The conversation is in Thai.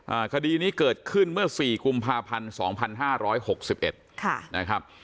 คดีนี้เกิดขึ้นเมื่อสี่กุมภาพันธ์สองพันห้าร้อยหกสิบเอ็ดค่ะนะครับ